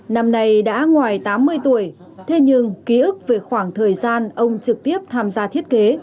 năm nay đã ngoài tám mươi tuổi thế nhưng ký ức về khoảng thời gian ông trực tiếp tham gia thiết kế